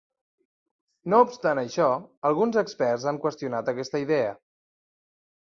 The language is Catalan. No obstant això, alguns experts han qüestionat aquesta idea.